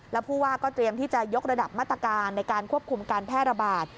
แล้วผู้ว่าก็เตรียมที่จะยกระดับมาตรการในการควบคุมการแพร่ระบาด